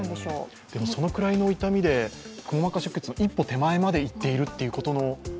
そのくらいの痛みでくも膜下出血一歩手前までいっているということの。